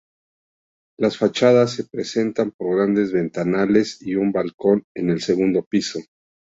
Las fachadas se presentan con grandes ventanales y un balcón en el segundo piso.